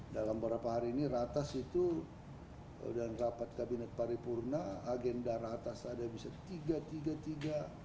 dalam beberapa hari ini ratas itu dalam rapat kabinet paripurna agenda ratas ada bisa tiga tiga